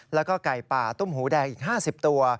แล้วก็ไก่ป่าตุ้มหูแดงอีก๕๐ตัว